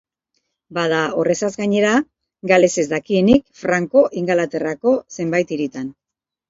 Bada, horrezaz gainera, galesez dakienik franko Ingalaterrako zenbait hiritan.